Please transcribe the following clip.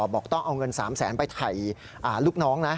บอกต้องเอาเงิน๓แสนไปถ่ายลูกน้องนะ